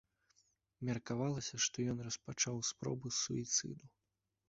Меркавалася, што ён распачаў спробу суіцыду.